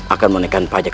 akan menekan pajak